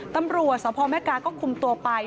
ตำรวจสพแม่กาก็คุมตัวไป